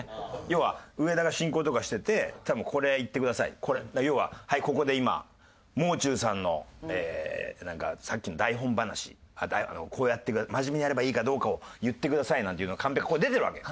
要は上田が進行とかしてて「これ言ってください」要ははいここで今もう中さんのさっきの台本話真面目にやればいいかどうかを言ってくださいなんていうのカンペここに出てるわけ。